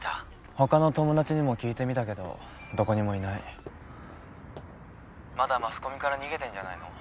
他の友達にも聞いたけどどこにもいない☎まだマスコミから逃げてんじゃないの？